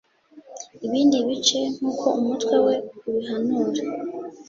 ibindi bice - nkuko umutwe we ubihanura